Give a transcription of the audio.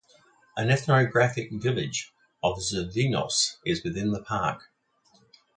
An ethnographic village of Zervynos is within the park.